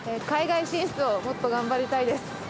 海外進出をもっと頑張りたいです。